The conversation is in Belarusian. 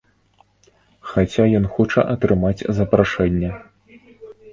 Хаця ён хоча атрымаць запрашэнне.